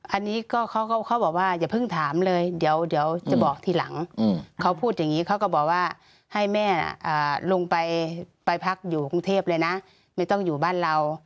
อันนี้ก็เขาบอกว่าอย่าเพิ่งถามเลยเดี๋ยวจะบอกทีหลังเขาพูดอย่างนี้เขาก็บอกว่าให้แม่ลงไปพักอยู่กรุงเทพเลยนะไม่ต้องอยู่บ้านเรา